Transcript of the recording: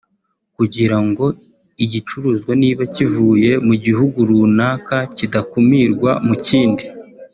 kugira ngo igicuruzwa niba kivuye mu gihugu runaka kidakumirwa mu kindi